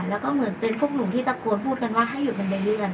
แล้วก็เหมือนเป็นพวกหนูที่ตะโกนพูดกันว่าให้หยุดมันไปเลื่อน